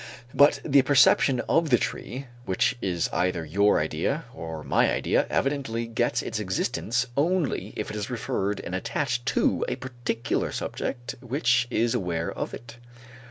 But the perception of the tree which is either your idea or my idea evidently gets its existence only if it is referred and attached to a particular subject which is aware of it.